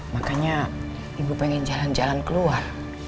makanya ibu pengen jalan jalan keluar